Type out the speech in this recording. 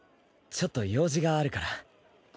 ちょっと用事があるから。